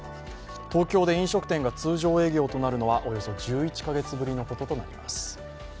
東京で飲食店が通常営業となるのはおよそ１１ヶ月ぶりのこととなります。